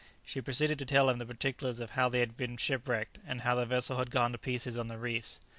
She proceeded to tell him the particulars of how they had been shipwrecked, and how the vessel had gone to pieces on the reefs.